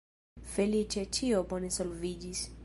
Feliĉe ĉio bone solviĝis.